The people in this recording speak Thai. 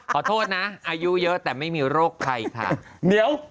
ขอโทษนะอายุเยอะแต่ไม่มีโรคภัยค่ะ